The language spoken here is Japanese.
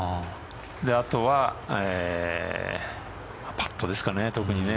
あとはパットですかね、特にね。